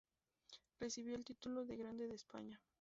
Recibió el título de Grande de España.